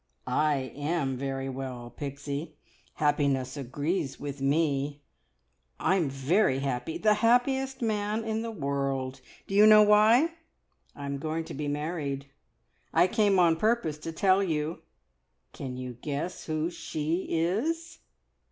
"I am very well, Pixie. Happiness agrees with me. I'm very happy the happiest man in the world! Do you know why? I am going to be married. I came on purpose to tell you. Can you guess who `She' is?"